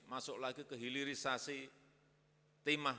masuk lagi ke hilirisasi timah